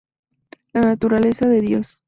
La naturaleza de Dios.